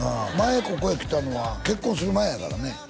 前ここへ来たのは結婚する前やからね